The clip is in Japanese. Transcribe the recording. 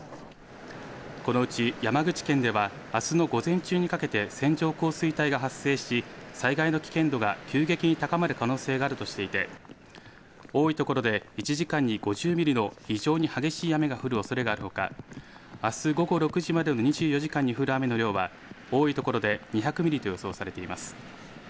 このうち山口県ではあすの午前中にかけて線状降水帯が発生し災害の危険度が急激に高まる可能性があるとしていて多い所で１時間に５０ミリの非常に激しい雨が降るおそれがあるほかあす午後６時までの２４時間に降る雨の量は多い所で２００ミリと予想されています。